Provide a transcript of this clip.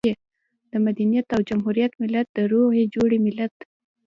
د مدنيت او جمهوريت ملت، د روغې جوړې ملت.